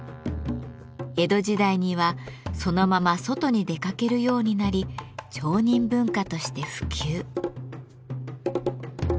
江戸時代にはそのまま外に出かけるようになり町人文化として普及。